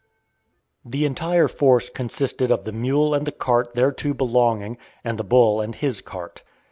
The entire force consisted of the mule and the cart thereto belonging, and the bull and his cart.